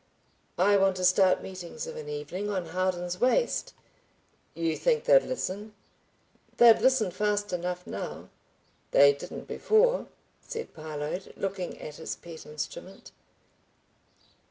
"I want to start meetings of an evening on Howden's Waste." "You think they'd listen?" "They'd listen fast enough now." "They didn't before," said Parload, looking at his pet instrument.